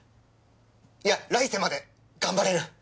いや来世まで頑張れる！